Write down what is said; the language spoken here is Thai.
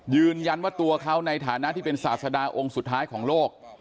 ยืนยันว่าตัวเขาในฐานะที่เป็นศาสดาองค์สุดท้ายของโลก